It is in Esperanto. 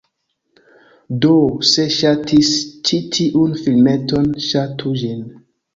Do, se ŝatis ĉi tiun filmeton, ŝatu ĝin!